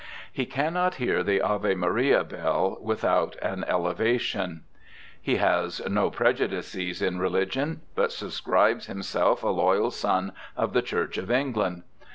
He 'cannot hear the Ave Maria bell without an elevation '. He has no prejudices in religion, but subscribes himself a loyal son of the Church of England.